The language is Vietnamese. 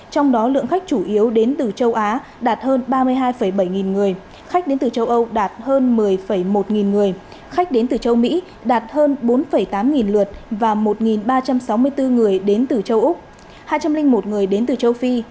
trong đó lượng khách chủ yếu đến từ châu á đạt hơn ba mươi hai bảy nghìn người khách đến từ châu âu đạt hơn một mươi một nghìn người khách đến từ châu mỹ đạt hơn bốn tám nghìn lượt và một ba trăm sáu mươi bốn người đến từ châu úc hai trăm linh một người đến từ châu phi